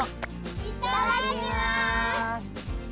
いただきます！